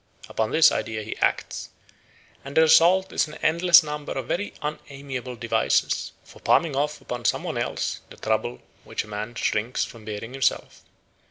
Upon this idea he acts, and the result is an endless number of very unamiable devices for palming off upon some one else the trouble which a man shrinks from bearing himself.